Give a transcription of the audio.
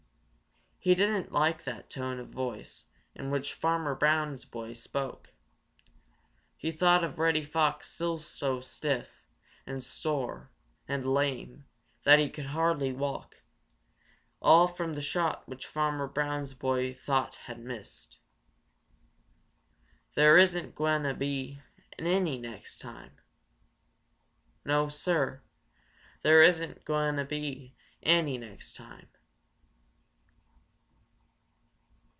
He didn't like the tone of voice in which Farmer Brown's boy spoke. He thought of Reddy Fox still so stiff and sore and lame that he could hardly walk, all from the shot which Farmer Brown's boy thought had missed. "There isn't gwine to be any next time. No, Suh, there isn't gwine to be any next time.